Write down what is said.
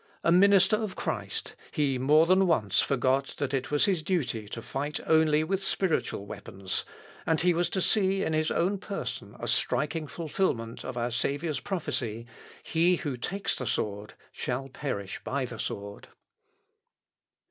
A minister of Christ, he more than once forgot that it was his duty to fight only with spiritual weapons, and he was to see in his own person a striking fulfilment of our Saviour's prophecy, He who takes the sword shall perish by the sword.